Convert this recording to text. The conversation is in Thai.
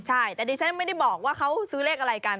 ใช่แต่ดิฉันไม่ได้บอกว่าเขาซื้อเลขอะไรกัน